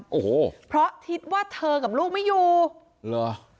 โอ้โหเพราะคิดว่าเธอกับลูกไม่อยู่เหรอ